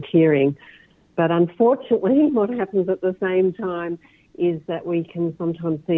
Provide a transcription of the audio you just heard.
tapi kejadian yang terjadi pada saat ini adalah kita bisa melihat kekejadian di dalam penipuan